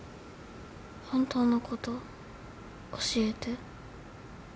本当のこと教えて。